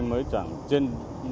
mới chẳng trên năm